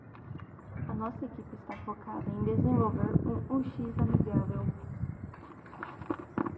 A equipe está focada em desenvolver um UX amigável.